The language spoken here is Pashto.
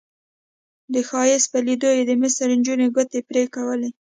د ښایست په لیدو یې د مصر نجونو ګوتې پرې کولې.